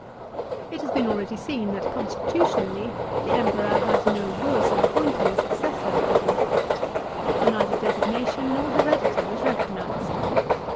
§ 3. It has been already seen that constitutionally the Emperor has no voice in appointing a successor to the Princi pate ; for neither designation nor heredity was recognised.